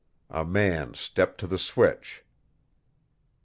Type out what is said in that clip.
A man stepped to the switch.